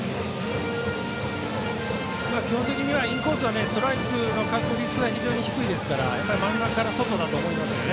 基本的にはインコースストライクの確率は低いですから真ん中から外だと思いますね。